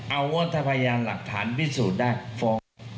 เอาว่าถ้าพยานหลักฐานพิสูจน์ได้ฟ้อง